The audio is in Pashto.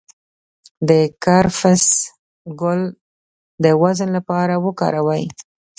د کرفس ګل د وزن لپاره وکاروئ